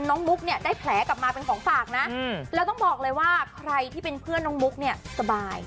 มุกเนี่ยได้แผลกลับมาเป็นของฝากนะแล้วต้องบอกเลยว่าใครที่เป็นเพื่อนน้องมุกเนี่ยสบาย